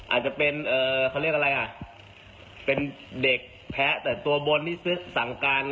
อาจจะเป็นเขาเรียกอะไรอ่ะเป็นเด็กแพ้แต่ตัวบนที่ซื้อสั่งการ